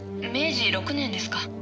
明治６年ですか？